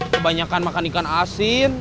kebanyakan makan ikan asin